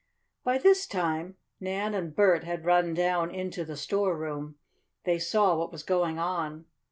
By this time Nan and Bert had run down into the storeroom. They saw what was going on.